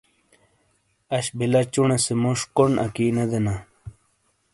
اش بیلا چُونے سے موش کونڈ اکی نے دینا